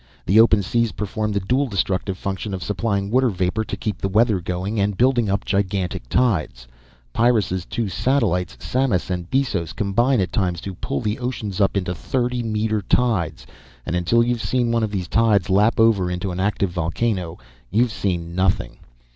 The open seas perform the dual destructive function of supplying water vapor to keep the weather going, and building up gigantic tides. Pyrrus' two satellites, Samas and Bessos, combine at times to pull the oceans up into thirty meter tides. And until you've seen one of these tides lap over into an active volcano you've seen nothing.